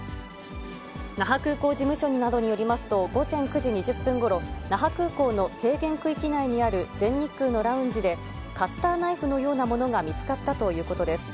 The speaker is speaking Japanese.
那覇空港事務所などによりますと、午前９時２０分ごろ、那覇空港の制限区域内にある全日空のラウンジで、カッターナイフのようなものが見つかったということです。